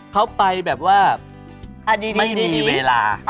เขาไปแบบว่าไม่มีเวลา